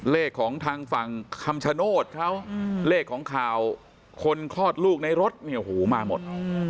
เลขของทางฝั่งคำชโนธเลขของข่าวคนคลอดลูกในรถมาหมด